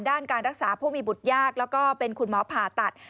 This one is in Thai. ด้านการรักษาผู้มีบุตรยากแล้วก็เป็นคุณหมอผ่าตัด